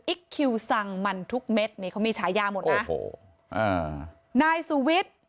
คิวสั่งมันทุกเม็ดนี่เขามีฉายาหมดนะโอ้โหอ่านายสุวิทย์